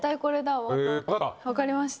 わかりました。